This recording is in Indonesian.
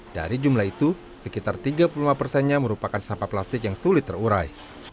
dari jumlah itu sekitar tiga puluh lima persennya merupakan sampah plastik yang sulit terurai